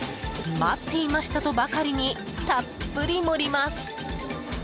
待っていました！とばかりにたっぷり盛ります。